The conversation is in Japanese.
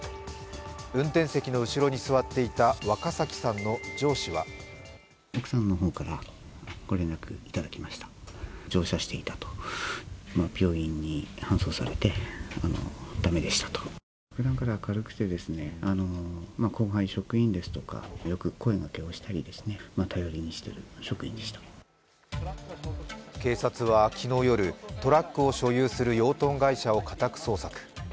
運転席の後ろに座っていた若崎さんの上司は警察は昨日夜、トラックを所有する養豚会社を家宅捜索。